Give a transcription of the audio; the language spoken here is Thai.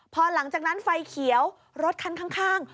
พอหลังจากนั้นไฟเขียวรถคันข้าง